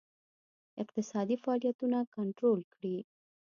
اقتصادي فعالیتونه کنټرول کړي.